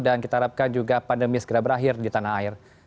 kita harapkan juga pandemi segera berakhir di tanah air